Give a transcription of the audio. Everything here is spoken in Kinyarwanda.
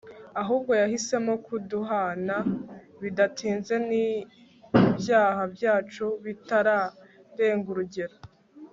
ahubwo yahisemo kuduhana bidatinze n'ibyaha byacu bitararenga urugero